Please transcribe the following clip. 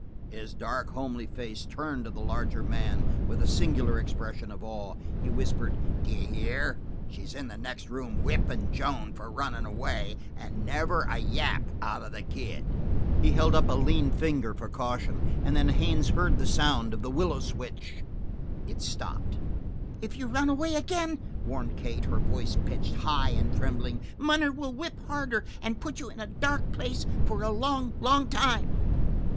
His dark, homely face turned to the larger man with a singular expression of awe. He whispered: "D'you hear? She's in the next room whippin' Joan for runnin' away, and never a yap out of the kid!" He held up a lean finger for caution and then Haines heard the sound of the willow switch. It stopped. "If you run away again," warned Kate, her voice pitched high and trembling, "munner will whip harder, and put you in a dark place for a long, long time."